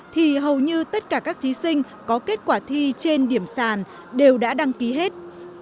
thì hầu như tất cả các thí sinh có kết quả thi trên điểm sàn đều đã đăng ký hết